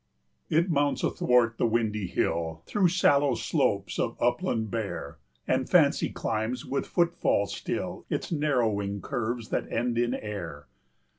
It mounts athwart the windy hill Through sallow slopes of upland bare, And Fancy climbs with foot fall still Its narrowing curves that end in air.